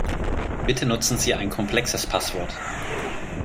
Bitte nutzen Sie ein komplexes Passwort.